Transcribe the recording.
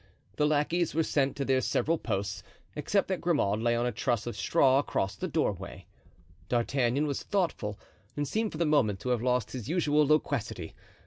The lackeys were sent to their several posts, except that Grimaud lay on a truss of straw across the doorway. D'Artagnan was thoughtful and seemed for the moment to have lost his usual loquacity.